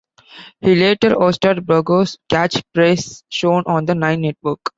He later hosted Burgo's Catch Phrase, shown on the Nine Network.